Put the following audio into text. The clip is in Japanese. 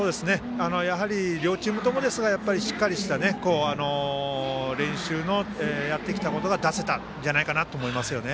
やはり両チームともですがしっかりした練習でやってきたことが出せたんじゃないかと思いますけどね。